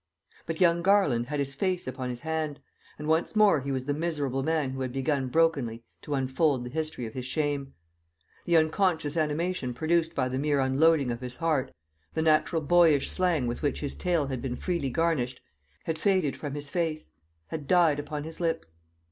But young Garland had his face upon his hand, and once more he was the miserable man who had begun brokenly to unfold the history of his shame. The unconscious animation produced by the mere unloading of his heart, the natural boyish slang with which his tale had been freely garnished, had faded from his face, had died upon his lips.